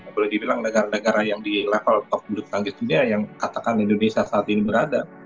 boleh dibilang negara negara yang di level top bulu tangkis dunia yang katakan indonesia saat ini berada